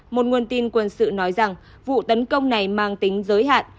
một nguồn tin quân sự nói rằng vụ tấn công này mang tính giới hạn